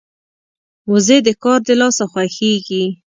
وزې د کار د لاسه خوښيږي